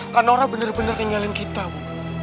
kak naura bener bener tinggalin kita bu